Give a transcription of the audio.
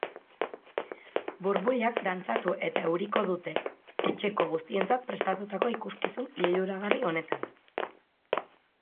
Burbuilak dantzatu eta euriko dute etxeko guztientzat prestatutako ikuskizun liluragarri honetan.